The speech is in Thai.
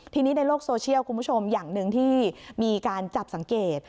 ทีนี้ในโลกโซเชียลคุณผู้ชมอย่างหนึ่งที่มีการจับสังเกต